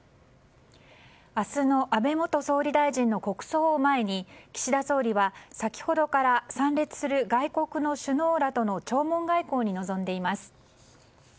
明日の安倍元総理大臣の国葬を前に岸田総理は先ほどから参列する外国の首脳らとの弔問外交に臨んでいます。